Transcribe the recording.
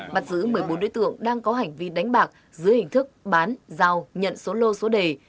bắt giữ một mươi bốn đối tượng đang có hành vi đánh bạc dưới hình thức bán giao nhận số lô số đề